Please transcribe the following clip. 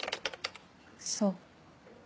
そう。